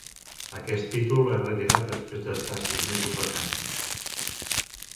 Aquest títol és retirat després d'estar sis mesos vacant.